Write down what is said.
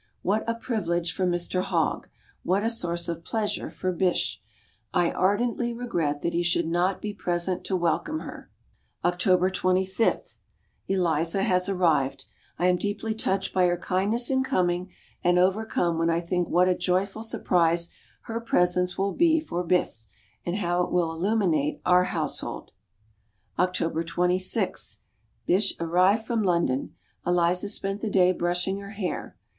What a privilege for Mr Hogg, what a source of pleasure for Bysshe. I ardently regret that he should not be present to welcome her. October 25. Eliza has arrived. I am deeply touched by her kindness in coming and overcome when I think what a joyful surprise her presence will be for Bysshe, and how it will illuminate our household. October 26. Bysshe arrived from London. Eliza spent the day brushing her hair.